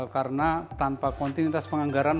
karena tanpa kontinuitas penganggaran